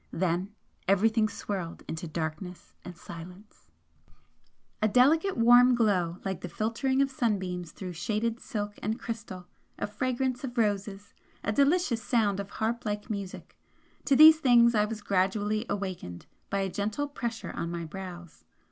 then everything swirled into darkness and silence! A delicate warm glow like the filtering of sunbeams through shaded silk and crystal a fragrance of roses a delicious sound of harp like music to these things I was gradually awakened by a gentle pressure on my brows.